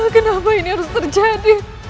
kenapa ini harus terjadi